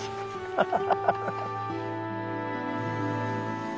ハハハハハ！